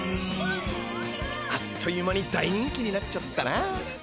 あっという間に大人気になっちゃったな。